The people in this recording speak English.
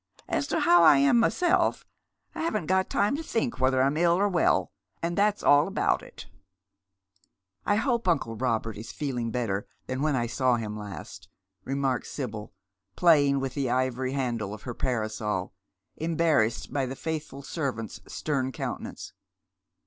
As to how I am in iiiyKcIf, I haven't got time to think whetljer I'm ill or welli Bind that's all aboiiL it." Received hy the County. 139 " I hope nncle Robert is feeling better than when I saw him last," remarks Sibyl, playing with the ivory handle of her parasol, embarrassed by the faithful servant's stern countenance.